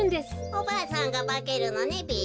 おばあさんがばけるのねべ。